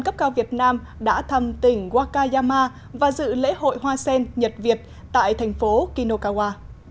cấp cao việt nam đã thăm tỉnh wakayama và dự lễ hội hoa sen nhật việt tại thành phố kinokawa